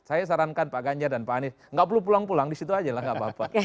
saya sarankan pak ganjar dan pak anies tidak perlu pulang pulang disitu saja tidak apa apa